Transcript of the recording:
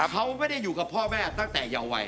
เขาไม่ได้อยู่กับพ่อแม่ตั้งแต่เยาวัย